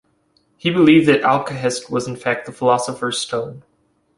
He believed that alkahest was, in fact, the philosopher's stone.